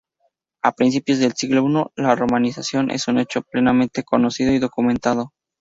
A principios de siglo I, la romanización es un hecho plenamente conocido y documentado.